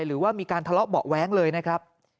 หรือว่ามีการทะเลาะเบาะแว้งเลยนะครับ